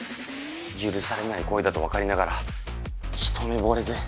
許されない恋だとわかりながら一目ぼれで。